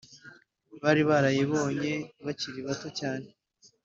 bari barayibonye bakiri bato cyane.